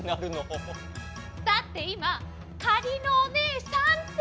だっていま「かりのおねえさん」って。